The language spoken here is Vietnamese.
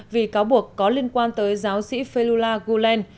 vì cáo buộc có liên quan tới giáo sĩ felula gulen